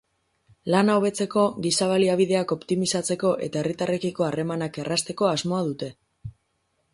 Lana hobetzeko, giza baliabideak optimizatzeko eta herritarrekiko harremanak errazteko asmoa dute.